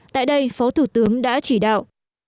tại đây phó thủ tướng đã chỉ đạo